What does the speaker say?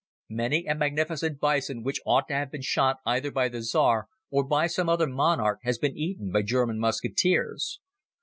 Many a magnificent bison which ought to have been shot either by the Czar or by some other monarch has been eaten by German musketeers.